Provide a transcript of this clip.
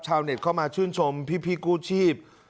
เน็ตเข้ามาชื่นชมพี่กู้ชีพ